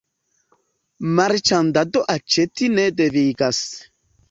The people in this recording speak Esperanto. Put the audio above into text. Marĉandado aĉeti ne devigas.